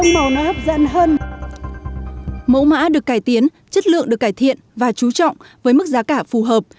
mẫu mã được cải tiến chất lượng được cải thiện và chú trọng với mức giá cả phù hợp